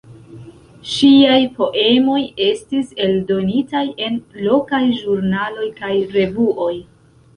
Ŝiaj poemoj estis eldonitaj en lokaj ĵurnaloj kaj revuoj.